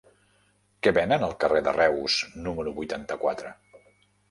Què venen al carrer de Reus número vuitanta-quatre?